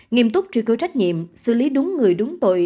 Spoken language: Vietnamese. nghiêm túc truy cứu trách nhiệm xử lý đúng người đúng tội